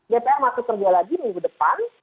dpr masuk kerja lagi minggu depan